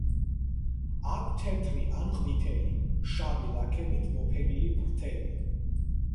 აქვთ თეთრი ან ყვითელი, შავი ლაქებით მოფენილი ფრთები.